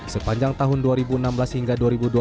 sepanjang tahun dua ribu enam belas hingga dua ribu dua puluh